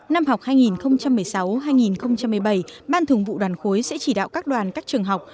năm học hai nghìn một mươi sáu hai nghìn một mươi bảy ban thường vụ đoàn khối sẽ chỉ đạo các đoàn các trường học